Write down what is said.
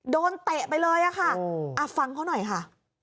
โดนเตะไปเลยอ่ะค่ะอ๋ออ่ะฟังเขาหน่อยค่ะ